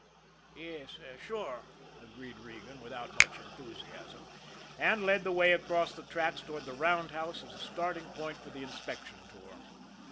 "Yes sure," agreed Regan, without much enthusiasm, and led the way across the tracks toward the roundhouse as a starting point for the inspection tour.